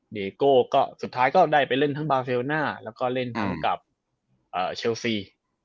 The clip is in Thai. เกโก้ก็สุดท้ายก็ได้ไปเล่นทั้งบาเซลน่าแล้วก็เล่นทั้งกับเชลซี